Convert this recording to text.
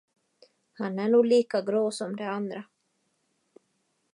Han är nog lika grå som de andra.